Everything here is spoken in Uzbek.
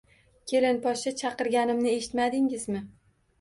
Kelinposhsha, chaqirganimni eshitmadingizmi